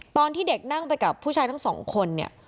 ตอนที่เด็กนั่งไปกับผู้ชายทั้งสองคนเนี่ย